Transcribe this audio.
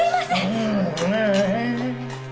うん。